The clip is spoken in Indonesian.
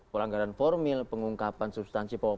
pelanggaran formil pengungkapan substansi